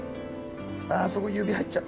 ああー、そこ指、入っちゃう。